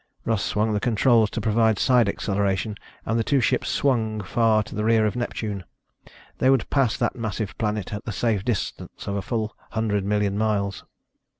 Russ swung the controls to provide side acceleration and the two ships swung far to the rear of Neptune. They would pass that massive planet at the safe distance of a full hundred million miles.